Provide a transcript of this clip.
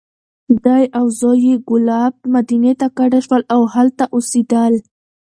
دی او زوی یې کلاب، مدینې ته کډه شول. او هلته اوسېدل.